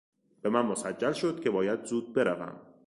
به من مسجل شد که باید زود بروم.